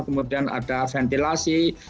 kemudian ada ventilasi